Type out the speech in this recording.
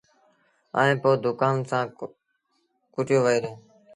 ائيٚݩ پو ڌوڪآݩ سآݩ ڪُٽيو وهي دو۔